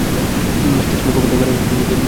স্টেশনে খবর দাও, গাড়ি নাও, টোল গেটে আসো।